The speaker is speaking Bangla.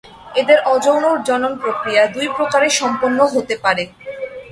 এদের অযৌন জনন প্রক্রিয়া দুই প্রকারে সম্পন্ন হতে পারে।